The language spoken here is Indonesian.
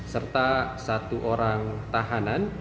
serta satu orang tahanan